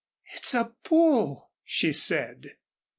"It's a bull," she said.